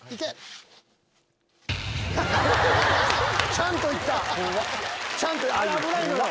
ちゃんといった！